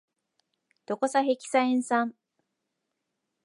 ドコサヘキサエン酸